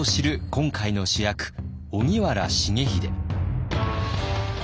今回の主役荻原重秀。